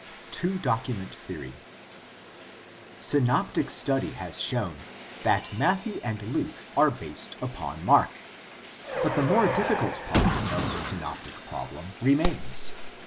Two document theory. — Synoptic study has shown that Matthew and Luke are based upon Mark. But the more difficult part of the synoptic problem remains.